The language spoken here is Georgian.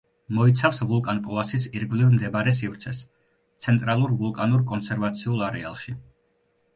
მოიცავს ვულკან პოასის ირგვლივ მდებარე სივრცეს, ცენტრალურ ვულკანურ კონსერვაციულ არეალში.